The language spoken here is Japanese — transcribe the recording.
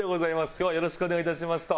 今日はよろしくお願いいたしますと。